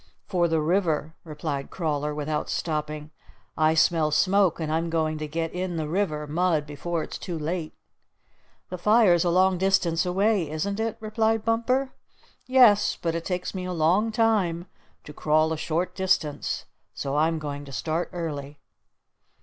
"For the river," replied Crawler without stopping. "I smell smoke, and I'm going to get in the river mud before it's too late." "The fire's a long distance away, isn't it?" replied Bumper. "Yes, but it takes me a long time to crawl a short distance. So I'm going to start early."